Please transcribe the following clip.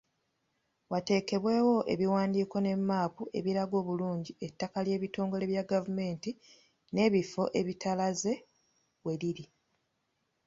Wateekebwewo ebiwandiiko ne mmaapu ebiraga obulungi ettaka ly’ebitongole bya gavumenti n’ebifo ebitalize weriri.